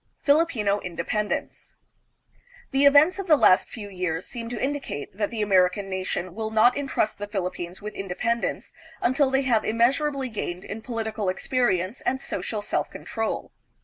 Filipino Independence. The events of the last few years seem to indicate that the American nation will not intrust the Philippines with independence until they have immeasurably gained in political experience and social self control.